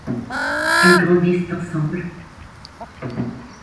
Elles grandissent ensemble.